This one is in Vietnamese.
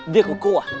việc của cô à